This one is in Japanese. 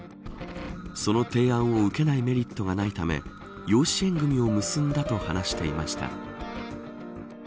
その提案を受けないメリットがないため養子縁組を結んだと話していました。